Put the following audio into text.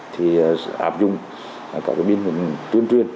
thì ạp dụng các biên hình tuyên truyền